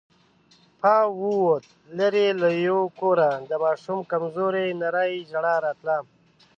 پاو ووت، ليرې له يوه کوره د ماشوم کمزورې نرۍ ژړا راتله.